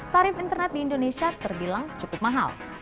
tarif internet di indonesia terbilang cukup mahal